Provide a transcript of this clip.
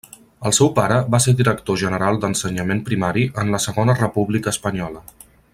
El seu pare va ser Director General d'Ensenyament Primari en la Segona República Espanyola.